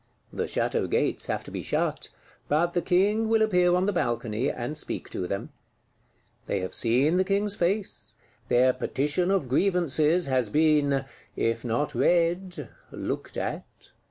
The Château gates have to be shut; but the King will appear on the balcony, and speak to them. They have seen the King's face; their Petition of Grievances has been, if not read, looked at.